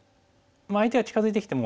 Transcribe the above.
相手が近づいてきても。